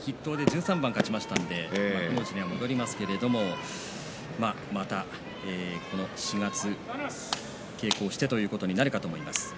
筆頭で１３番勝ちましたから幕内に戻りますけど稽古をしてということになるかと思います。